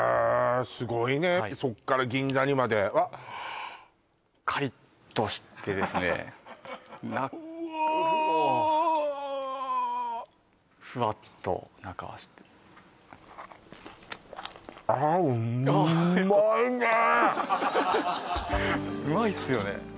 すごいねそっから銀座にまであっカリッとしてですねわふわっと中はしてうまいっすよね